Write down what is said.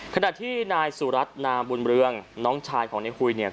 ขณะที่นายสุรัตน์นามบุญเรืองน้องชายของในหุยเนี่ย